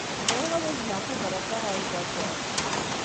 Bɣiɣ ad azneɣ tabṛat-a ɣer Japun.